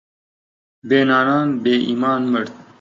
بێ نانان بێ ئیمان مرد